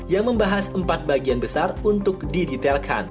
yang membahas empat bagian besar untuk didetailkan